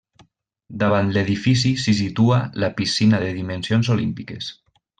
Davant l'edifici s'hi situa la piscina de dimensions olímpiques.